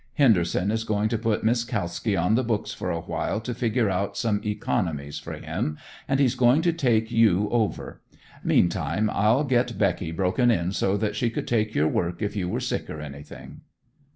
Henderson is going to put Miss Kalski on the books for a while to figure out some economies for him, and he is going to take you over. Meantime I'll get Becky broken in so that she could take your work if you were sick or anything."